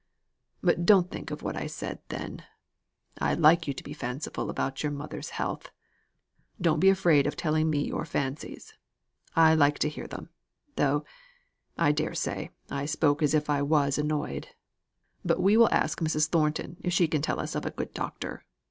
But don't think of what I said then. I like you to be fanciful about your mother's health! Don't be afraid of telling me your fancies. I like to hear them, though I dare say, I spoke as if I was annoyed. But we will ask Mrs. Thornton if she can tell us of a good doctor.